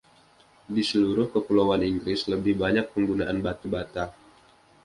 Di seluruh Kepulauan Inggris lebih banyak penggunaan batu bata.